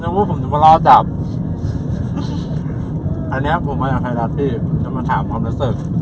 นึกว่าผมจะมารอจับอันนี้ครับผมมาจากไทยรัฐพี่จะมาถามความรู้สึก